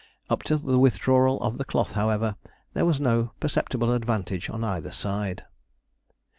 Up to the withdrawal of the cloth, however, there was no perceptible advantage on either side.